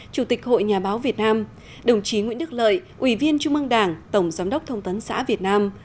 chủ tịch hội nhà báo việt nam đồng chí nguyễn đức lợi ủy viên trung mương đảng tổng giám đốc thông tấn xã việt nam